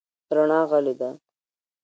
رڼا غلې ده .